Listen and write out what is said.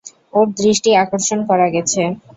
ওর দৃষ্টি আকর্ষণ করা গেছে।